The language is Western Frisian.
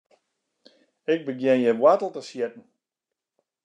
Ik begjin hjir woartel te sjitten.